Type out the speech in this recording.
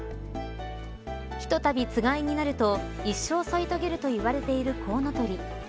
ひとたび、つがいになると一生添い遂げると言われているコウノトリ。